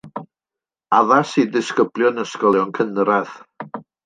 Addas i ddisgyblion ysgolion cynradd.